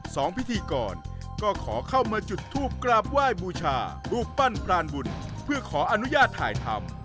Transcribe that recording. พิธีกรก็ขอเข้ามาจุดทูปกราบไหว้บูชารูปปั้นพรานบุญเพื่อขออนุญาตถ่ายทำ